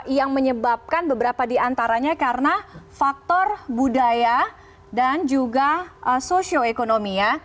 yang menyebabkan beberapa di antaranya karena faktor budaya dan juga sosioekonomi